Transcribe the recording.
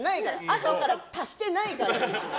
あとから足してないから。